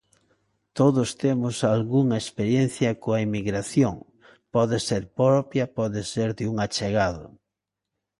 Todos temos algunha experiencia coa emigración, pode ser propia, pode ser dun achegado.